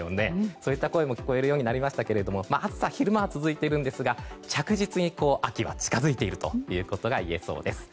そういった声も聞こえるようになりましたが暑さ、昼間は続いていますが着実に秋が近づいているといえそうです。